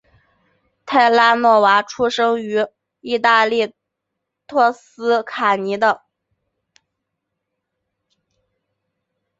泰拉诺娃出生于义大利托斯卡尼的。